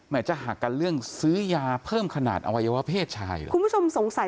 มันกับการหากซื้อยาเพิ่มขนาดอวัยวเหพศใช่รึหรือ